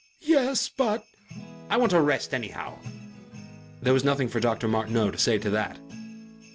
"Yes, but " "I want a rest anyhow...." There was nothing for Dr. Martineau to say to that.